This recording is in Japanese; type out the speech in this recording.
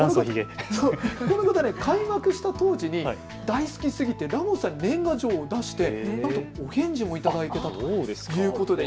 この方、開幕した当時に大好きすぎてラモスさんに年賀状を出してなんと返事も頂いたそうです。